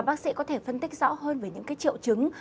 bác sĩ có thể phân tích rõ hơn về những triệu chứng